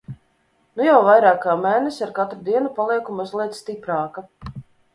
Nu jau vairāk kā mēnesi ar katru dienu palieku mazliet stiprāka.